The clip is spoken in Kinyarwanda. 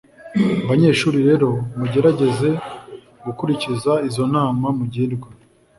banyeshuri rero mugerageze gukurikiza izo nama mugirwa